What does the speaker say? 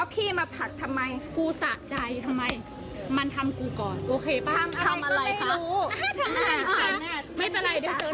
เพราะไม่ต้องพูดอย่างนั้นกับเพื่อนกูค่ะไม่คุยค่ะเพราะว่าพี่เป็นพี่สาธารณะ